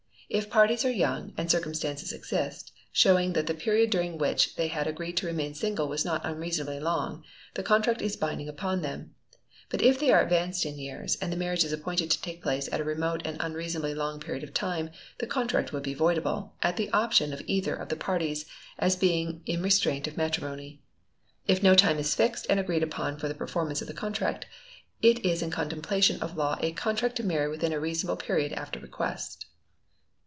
If parties are young, and circumstances exist, showing that the period during which they had agreed to remain single was not unreasonably long, the contract is binding upon them; but if they are advanced in years, and the marriage is appointed to take place at a remote and unreasonably long period of time, the contract would be voidable, at the option of either of the parties, as being in restraint of matrimony. If no time is fixed and agreed upon for the performance of the contract, it is in contemplation of law _a contract to marry within a reasonable period after request.